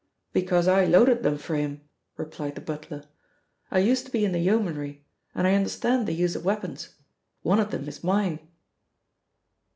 "Because I loaded them for him," replied the butler. "I used to be in the Yeomanry, and I understand the use of weapons. One of them is mine."